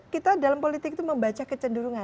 kita dalam politik itu membaca kecenderungan